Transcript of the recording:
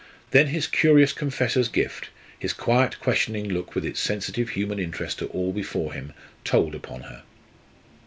Then his curious confessor's gift, his quiet questioning look with its sensitive human interest to all before him, told upon her.